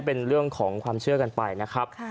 เป็นเรื่องของความเชื่อกันไปนะครับ